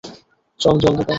চল, জলদি কর।